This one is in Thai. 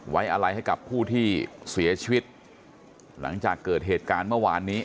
ไว้อะไรให้กับผู้ที่เสียชีวิตหลังจากเกิดเหตุการณ์เมื่อวานนี้